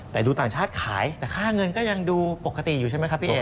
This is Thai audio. แต่ดูต่างชาติขายแต่ค่าเงินก็ยังดูปกติอยู่ใช่ไหมครับพี่เอก